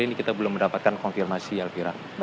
ini kita belum mendapatkan konfirmasi ya vira